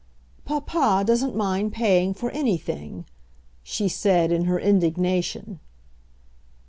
"Papa doesn't mind paying for anything," she said in her indignation.